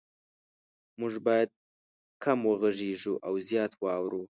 مونږ باید کم وغږیږو او زیات واورو